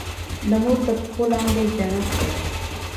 د مور تر پښو لاندي جنت دی.